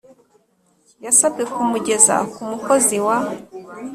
Yasabwe kumugeza ku mukozi wa